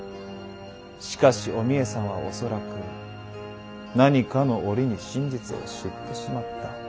しかしお三枝さんは恐らく何かの折に真実を知ってしまった。